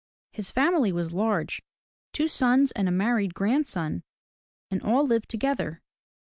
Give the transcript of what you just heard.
His family was large, — two sons and a married grandson, — and all lived together.